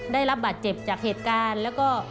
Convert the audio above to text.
ได้รับบาดเจ็บจากเหตุการณ์แล้วก็